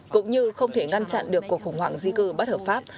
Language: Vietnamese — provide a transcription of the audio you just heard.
cũng như không thể ngăn chặn được cuộc khủng hoảng di cư bất hợp pháp